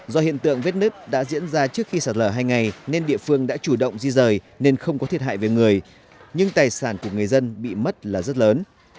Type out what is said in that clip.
do hiện tượng vết nứt đã diễn ra trước khi sạt lở hai ngày nên địa phương đã chủ động di rời nên không có thiệt hại về người nhưng tài sản của người dân bị mất là rất lớn